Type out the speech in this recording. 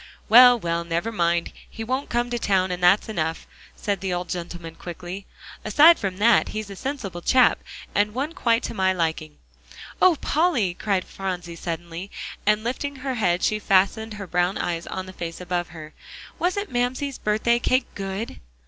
"Well, well, never mind, he won't come to town, and that's enough," said the old gentleman quickly. "Aside from that, he's a sensible chap, and one quite to my liking." "Oh, Polly!" cried Phronsie suddenly, and lifting her head, she fastened her brown eyes on the face above her, "wasn't Mamsie's birthday cake good?"